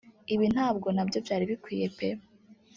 Ibi ntabwo nabyo byari bikwiye pe